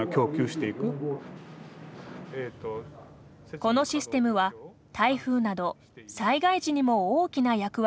このシステムは台風など災害時にも大きな役割を果たします。